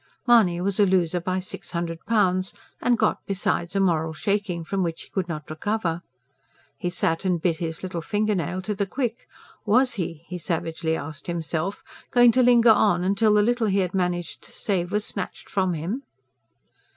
Mahony was a loser by six hundred pounds, and got, besides, a moral shaking from which he could not recover. He sat and bit his little finger nail to the quick. Was he, he savagely asked himself, going to linger on until the little he had managed to save was snatched from him?